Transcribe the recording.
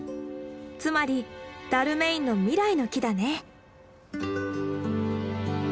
つまりダルメインの未来の木だね。